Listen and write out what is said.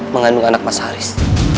mengandung anak mas haris